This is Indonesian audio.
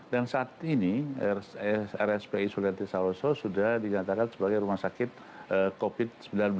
dan saat ini rspi sulawesi tisaroso sudah dikatakan sebagai rumah sakit covid sembilan belas